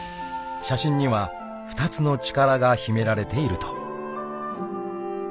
［写真には２つの力が秘められていると］